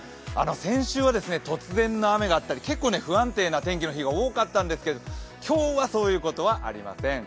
先週は突然の雨があったり、結構不安定な天気の日が多かったんですけど、今日はそういうことはありません。